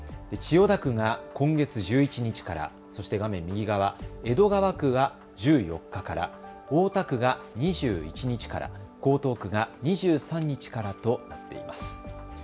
千代田区が今月１１日から、そして画面右側、江戸川区が１４日から、大田区が２１日から、江東区が２３日からとなっています。